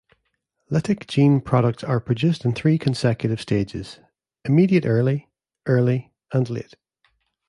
Lytic gene products are produced in three consecutive stages: immediate-early, early, and late.